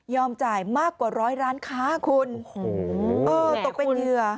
ยอมจ่ายมากกว่าร้านค้าคุณเอ้อตกเป็นเหยื่อ